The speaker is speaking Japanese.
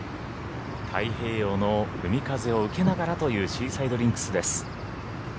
太平洋の海風を受けながらというシーサイドリンクスです。